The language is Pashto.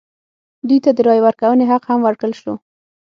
دوی ته د رایې ورکونې حق هم ورکړل شو.